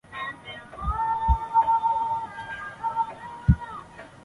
螺旋曲面和悬链曲面是局部等距的曲面。